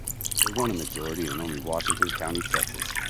They won a majority in only Washington County, Texas.